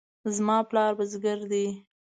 زما پلار بزګر دی